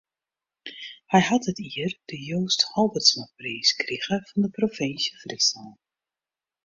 Hy hat dit jier de Joast Halbertsmapriis krige fan de Provinsje Fryslân.